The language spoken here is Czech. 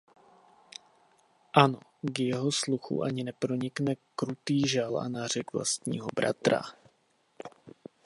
Ano, k jeho sluchu ani nepronikne krutý žal a nářek vlastního bratra.